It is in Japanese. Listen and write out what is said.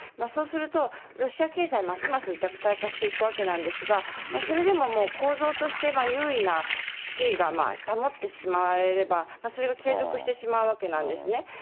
そうすると、ロシア経済ますます弱体化していくわけなんですが、それでももう構造として優位な地位が保ってしまえれば、それが継続してしまうわけなんですね。